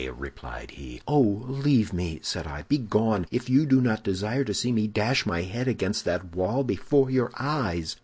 replied he. "'Oh, leave me!' said I. 'Begone, if you do not desire to see me dash my head against that wall before your eyes!